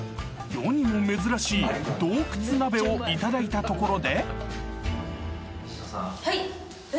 ［世にも珍しい洞窟鍋をいただいたところで］